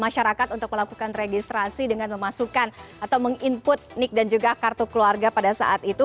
masyarakat untuk melakukan registrasi dengan memasukkan atau meng input nick dan juga kartu keluarga pada saat itu